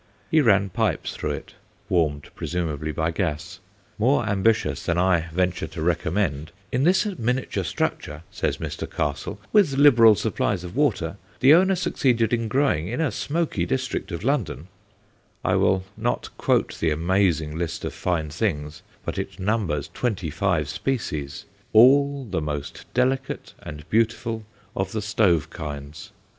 He ran pipes through it, warmed presumably by gas. More ambitious than I venture to recommend, "in this miniature structure," says Mr. Castle, "with liberal supplies of water, the owner succeeded in growing, in a smoky district of London" I will not quote the amazing list of fine things, but it numbers twenty five species, all the most delicate and beautiful of the stove kinds.